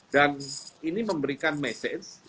dan ini memberikan message